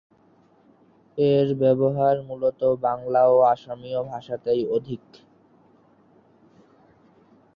এর ব্যবহার মূলত বাংলা ও অসমীয় ভাষাতেই অধিক।